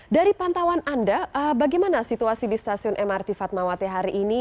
dari pantauan anda bagaimana situasi di stasiun mrt fatmawati hari ini